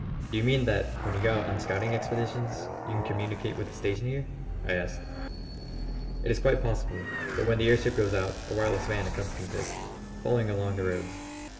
"Do you mean that when you go out on scouting expeditions you can communicate with the station here?" I asked. "It is quite possible. But when the airship goes out a wireless van accompanies it, following along the roads.